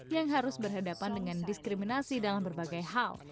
yang harus berhadapan dengan diskriminasi dalam berbagai hal